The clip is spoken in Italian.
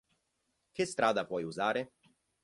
Che strada puoi usare?